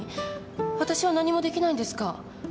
わたしは何もできないんですか？